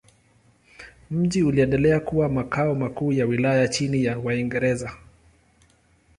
Mji uliendelea kuwa makao makuu ya wilaya chini ya Waingereza.